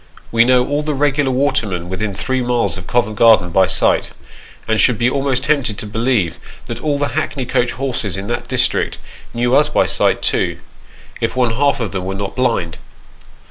We know all the regular watermen within three miles of Covent Garden by sight, and should be almost tempted to believe that all the hackney coach horses in that district knew us by sight too, if one half of them were not blind.